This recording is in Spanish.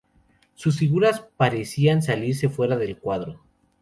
Sus figuras parecían salirse fuera del cuadro.